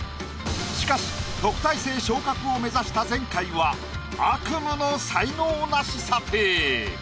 しかし特待生昇格を目指した前回は悪夢の才能ナシ査定。